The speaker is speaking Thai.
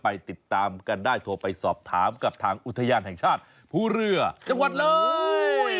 ไปติดตามกันได้โทรไปสอบถามกับทางอุทยานแห่งชาติภูเรือจังหวัดเลย